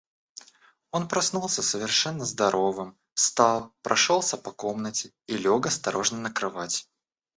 Он проснулся совершенно здоровым, встал, прошелся по комнате и лег осторожно на кровать.